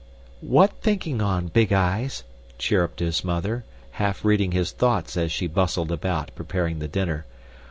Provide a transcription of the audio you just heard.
"What thinking on, Big eyes?" chirruped his mother, half reading his thoughts as she bustled about, preparing the dinner.